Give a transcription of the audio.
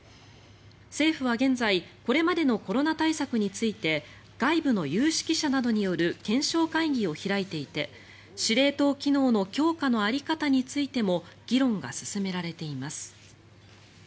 政府は現在これまでのコロナ対策について外部の有識者などによる検証会議を開いていて司令塔機能の強化の在り方についても議論が進められています。